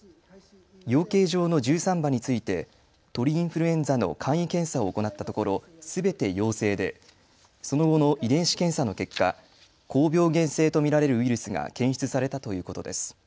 養鶏場の１３羽について鳥インフルエンザの簡易検査を行ったところすべて陽性でその後の遺伝子検査の結果、高病原性と見られるウイルスが検出されたということです。